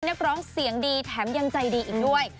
นักร้องเสียงดีแถมยังใจดีอีกด้วย